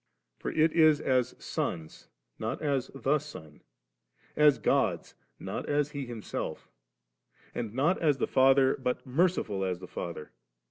30. For it is as ' sons,' not as the Son ; as •gods,* not as He Himself; and not as the Father, but * merciful as the Father.'